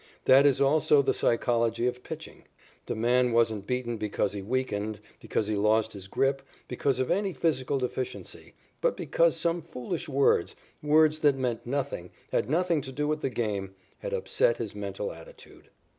That is also the "psychology of pitching." The man wasn't beaten because he weakened, because he lost his grip, because of any physical deficiency, but because some foolish words words that meant nothing, had nothing to do with the game had upset his mental attitude.